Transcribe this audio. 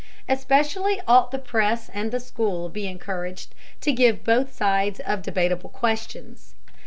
Especially ought the press and the school to be encouraged to give both sides of debatable questions.